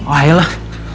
oh ya lah